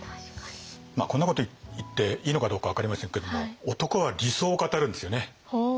こんなこと言っていいのかどうか分かりませんけども男は理想を語るんですよね。